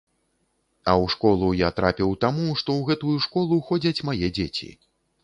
А ў школу я трапіў таму, што ў гэтую школу ходзяць мае дзеці.